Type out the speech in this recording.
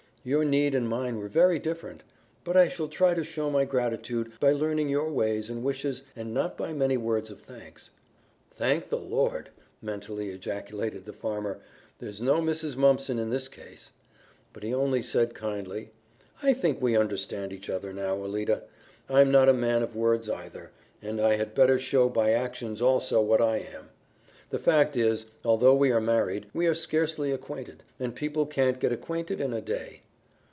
Your need and mine were very different. But I shall try to show my gratitude by learning your ways and wishes and not by many words of thanks." "Thank the Lord!" mentally ejaculated the farmer, "there's no Mrs. Mumpson in this case;" but he only said kindly, "I think we understand each other now, Alida. I'm not a man of words either, and I had better show by actions also what I am. The fact is, although we are married, we are scarcely acquainted, and people can't get acquainted in a day."